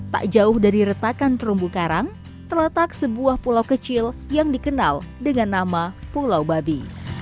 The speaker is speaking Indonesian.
tak jauh dari retakan terumbu karang terletak sebuah pulau kecil yang dikenal dengan nama pulau babi